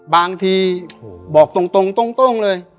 บางทีบอกตรงเลย